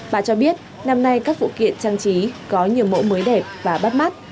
bà cho biết năm nay các vụ kiện trang trí có nhiều mẫu mới đẹp và bắt mắt